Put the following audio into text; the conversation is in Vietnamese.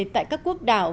tại các quốc đảo